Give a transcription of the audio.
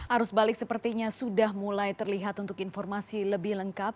arus balik sepertinya sudah mulai terlihat untuk informasi lebih lengkap